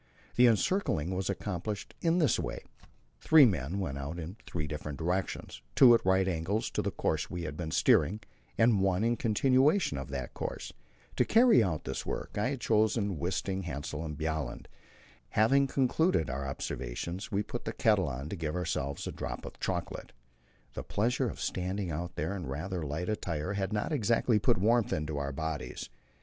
The encircling was accomplished in this way: Three men went out in three different directions, two at right angles to the course we had been steering, and one in continuation of that course. To carry out this work I had chosen Wisting, Hassel, and Bjaaland. Having concluded our observations, we put the kettle on to give ourselves a drop of chocolate; the pleasure of standing out there in rather light attire had not exactly put warmth into our bodies.